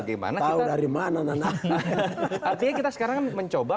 artinya kita sekarang mencoba